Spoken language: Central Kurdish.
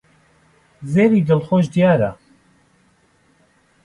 زیری دڵخۆش دیارە.